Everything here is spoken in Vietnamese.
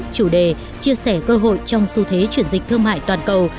chủ đề chia sẻ cơ hội trong xu thế chuyển dịch thương mại toàn cầu